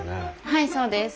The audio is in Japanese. はいそうです。